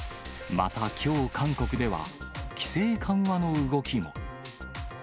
またきょう、韓国では規制緩和の動きも。